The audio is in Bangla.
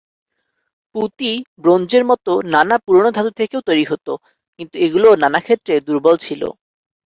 পুঁতি ব্রোঞ্জের মতো নানা পুরোনো ধাতু থেকেও তৈরি হতো কিন্তু এগুলো নানা ক্ষেত্রে দুর্বল ছিল।